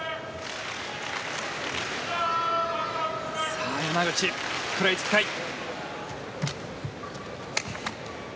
さあ山口、食らいつきたい。